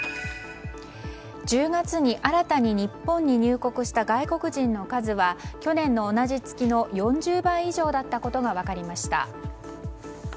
１０月に新たに日本に入国した外国人の数は去年の同じ月の４０倍以上だったことが分かりました。